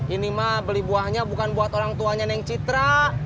ini mah beli buahnya bukan buat orang tuanya neng citra